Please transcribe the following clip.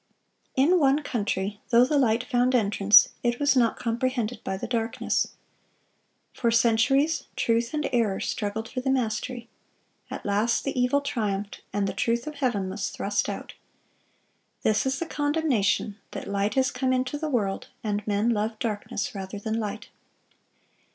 In one country, though the light found entrance, it was not comprehended by the darkness. For centuries, truth and error struggled for the mastery. At last the evil triumphed, and the truth of Heaven was thrust out. "This is the condemnation, that light is come into the world, and men loved darkness rather than light."